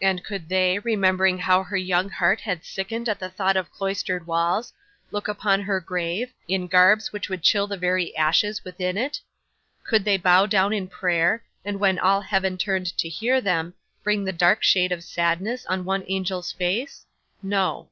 'And could they, remembering how her young heart had sickened at the thought of cloistered walls, look upon her grave, in garbs which would chill the very ashes within it? Could they bow down in prayer, and when all Heaven turned to hear them, bring the dark shade of sadness on one angel's face? No.